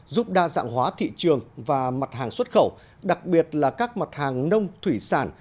giúp đa dạng hóa thị trường và mặt hàng xuất khẩu đặc biệt là các mặt hàng nông thủy sản